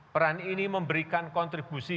peran ini memberikan kontribusi